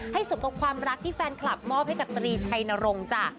ให้สมบัติความรักที่แฟนคลับมอบให้กับตรีชายนรงจ้า